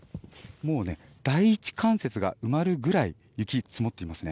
もう、第１関節が埋まるくらい雪が積もっていますね。